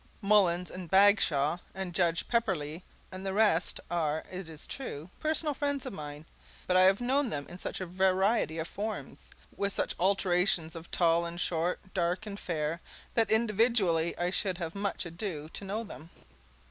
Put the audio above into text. Mullins and Bagshaw and Judge Pepperleigh and the rest are, it is true, personal friends of mine. But I have known them in such a variety of forms, with such alternations of tall and short, dark and fair, that, individually, I should have much ado to know them.